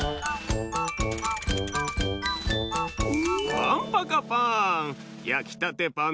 パンパカパーン！